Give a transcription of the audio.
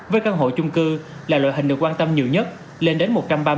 với căn hộ chung cư là loại hình được quan tâm nhiều nhất lên đến một trăm ba mươi